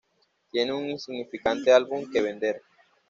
Tiene un insignificante álbum que vender.